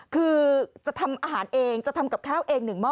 คือจะทำอาหารเองจะทำกับข้าวเอง๑หม้อ